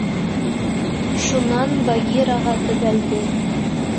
Шунан Багираға төбәлде.